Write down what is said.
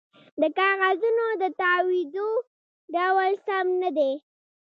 د کاغذونو د تاویدو ډول سم نه دی